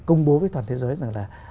công bố với toàn thế giới rằng là